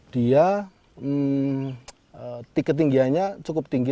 dia ketinggianya cukup tinggi